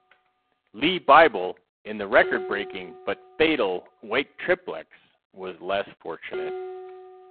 Lee Bible, in the record-breaking, but fatal, White Triplex, was less fortunate.